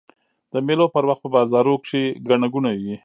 د مېلو پر وخت په بازارو کښي ګڼه ګوڼه يي.